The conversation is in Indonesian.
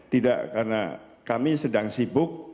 tidak karena kami sedang sibuk